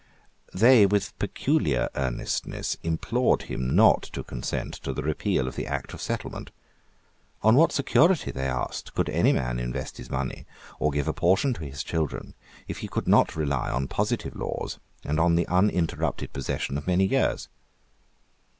They with peculiar earnestness implored him not to consent to the repeal of the Act of Settlement. On what security, they asked, could any man invest his money or give a portion to his children, if he could not rely on positive laws and on the uninterrupted possession of many years?